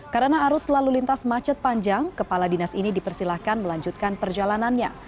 karena arus selalu lintas macet panjang kepala dinas ini dipersilahkan melanjutkan perjalanannya